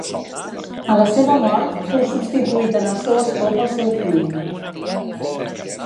A la seva mort fou substituït en el seu escó pel seu fill.